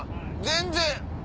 全然。